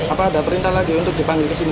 apa ada perintah lagi untuk dipanggil ke sini